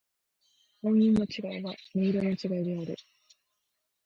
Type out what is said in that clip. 音韻の違いは、音色の違いである。